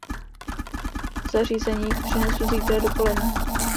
Zařízení přinesu zítra dopoledne.